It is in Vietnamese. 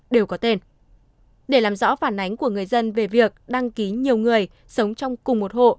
để làm rõ phản ánh của người dân về việc đăng ký nhiều người sống trong cùng một hộ